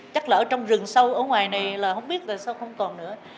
chắc là ở trong rừng sâu ở ngoài này là không biết là sao không còn nữa